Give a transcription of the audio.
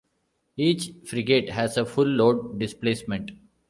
Each frigate has a full load displacement.